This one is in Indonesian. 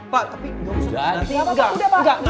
pak tapi nggak usah nanti nanti nanti